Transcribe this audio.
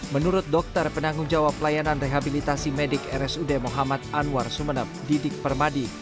menurut dokter penanggung jawab layanan rehabilitasi medik rsud muhammad anwar sumeneb didik permadi